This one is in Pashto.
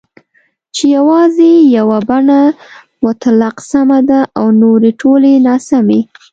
چې یوازې یوه بڼه مطلق سمه ده او نورې ټولې ناسمي